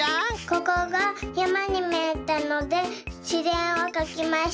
ここがやまにみえたのでしぜんをかきました。